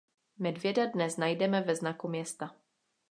Medvěda dnes najdeme ve znaku města.